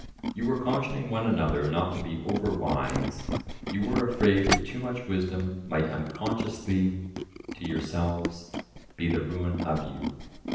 You were cautioning one another not to be overwise; you were afraid that too much wisdom might unconsciously to yourselves be the ruin of you.